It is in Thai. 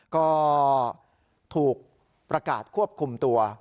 ก็ถูกประกาศควบคุมตัว